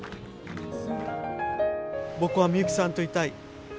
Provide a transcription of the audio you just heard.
僕はミユキさんといたい。